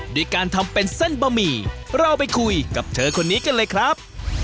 ด้วยการทำเป็นเส้นบะหมี่เราไปคุยกับเธอคนนี้กันเลยครับ